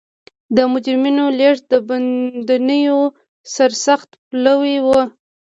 د مجرمینو لېږد د بندېدو سرسخت پلوی و.